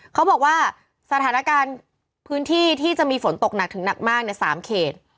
เขาบอกว่าสถานการณ์พื้นที่ที่จะมีฝนตกหนักถึงหนักมากใน๓เขต